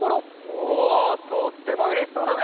おおとってもうれしそうだね！